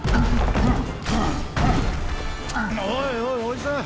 おいおいおじさん！